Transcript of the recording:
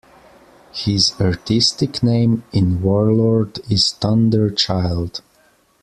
His artistic name in Warlord is "Thunder Child".